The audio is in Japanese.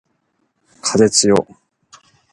風つよ